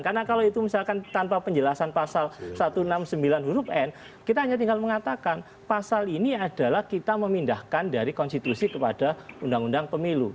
karena kalau itu misalkan tanpa penjelasan pasal satu ratus enam puluh sembilan huruf n kita hanya tinggal mengatakan pasal ini adalah kita memindahkan dari konstitusi kepada undang undang pemilu